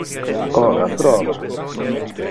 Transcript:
Ora prova!